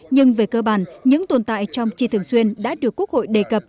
nhưng về cơ bản những tồn tại trong chi thường xuyên đã được quốc hội đề cập